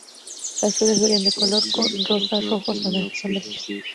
Las flores varían de color con, rosas, rojos, naranjas y amarillos.